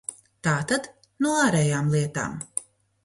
Tātad – no ārējām lietām.